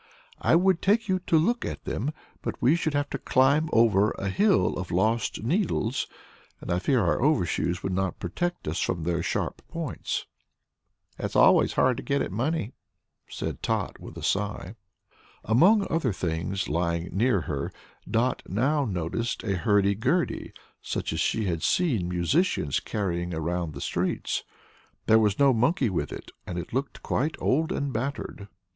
"I would take you to look at them, but we should have to climb over a hill of lost needles, and I fear our overshoes would not protect us from their sharp points." "It's always hard to get at money," said Tot, with a sigh. Among other things lying near her Dot now noticed a hurdy gurdy, such as she had seen musicians carrying around the streets. There was no monkey with it, and it looked quite old and battered.